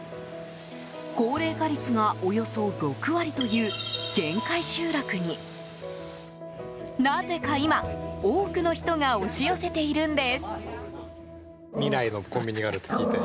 高齢化率がおよそ６割という限界集落になぜか今、多くの人が押し寄せているんです。